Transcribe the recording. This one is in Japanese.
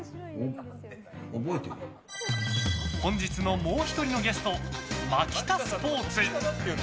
本日のもう１人のゲストマキタスポーツ！